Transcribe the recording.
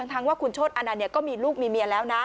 ทั้งว่าคุณโชธอนันต์ก็มีลูกมีเมียแล้วนะ